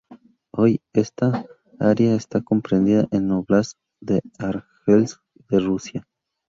Hoy, esta área está comprendida en el óblast de Arjángelsk de Rusia.